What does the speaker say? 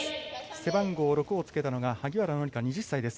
背番号６をつけたのが萩原紀佳２０歳です。